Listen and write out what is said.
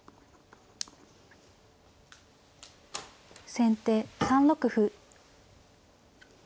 先手３六歩。